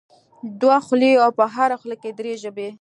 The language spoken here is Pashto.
دوه خولې او په هره خوله کې درې ژبې.